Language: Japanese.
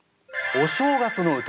「お正月」の歌？